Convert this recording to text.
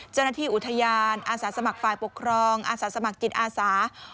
เจ้าหน้าที่อุทยานอาสาสมัครฝ่ายปกครองอาสาสมัครจิตอาสา